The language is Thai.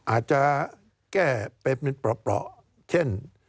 อาจจะแก้ไปเป็นเปราะเช่น